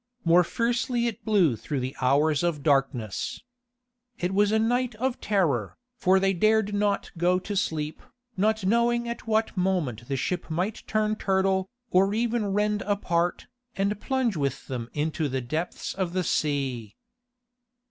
More fiercely it blew through the hours of darkness. It was a night of terror, for they dared not go to sleep, not knowing at what moment the ship might turn turtle, or even rend apart, and plunge with them into the depths of the sea.